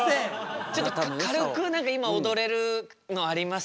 ちょっと軽く何か今おどれるのあります？